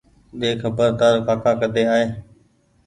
ۮي کبر تآرو ڪآڪآ ڪۮي آئي